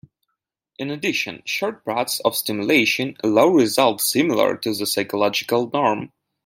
In addition, short bursts of stimulation allow results similar to the physiological norm.